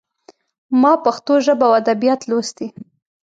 ما پښتو ژبه او ادبيات لوستي.